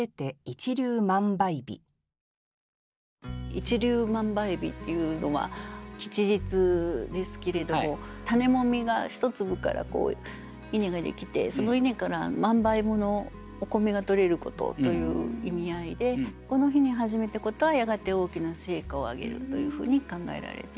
一粒万倍日っていうのは吉日ですけれども種もみが一粒から稲ができてその稲から万倍ものお米がとれることという意味合いでこの日に始めたことはやがて大きな成果を上げるというふうに考えられています。